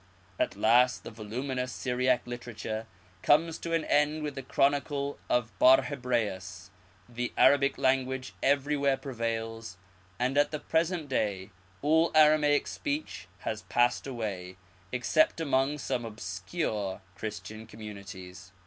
At last the voluminous Syriac literature comes to an end with the Chronicle of Barhebraeus, the Arabic language everywhere pre vails, and at the present day all Aramaic speech has passed away except among some obscure Christian communities.